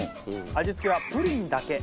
味付けはプリンだけ。